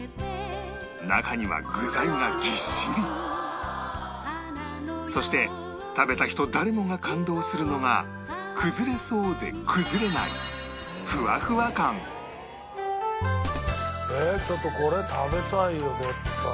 中にはそして食べた人誰もが感動するのが崩れそうで崩れないふわふわ感ええちょっとこれ食べたいよ絶対。